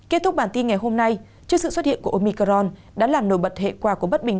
kết thúc bản tin ngày hôm nay trước sự xuất hiện của omicron đã làm nổi bật hệ quả của bất bình